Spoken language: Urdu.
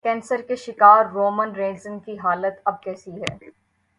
کینسر کے شکار رومن رینز کی حالت اب کیسی ہے